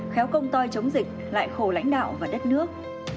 khéo công to chống dịch lại khổ lãnh đạo và đất nước